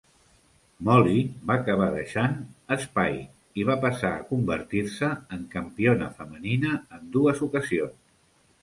Molly va acabar deixant Spike, i va passar a convertir-se en campiona femenina en dues ocasions.